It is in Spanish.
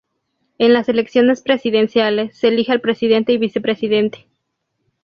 En las elecciones presidenciales, se elige al presidente y vicepresidente.